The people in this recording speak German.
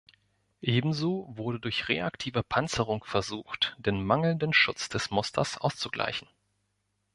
Ebenso wurde durch reaktive Panzerung versucht, den mangelnden Schutz des Musters auszugleichen.